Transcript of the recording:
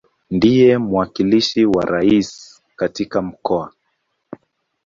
Ndiye mwakilishi wa Rais katika Mkoa.